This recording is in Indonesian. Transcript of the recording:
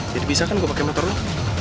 jadi bisa kan gue pakai motor lo